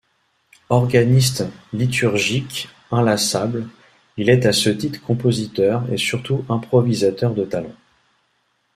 Organiste liturgique inlassable, il est à ce titre compositeur et surtout improvisateur de talent.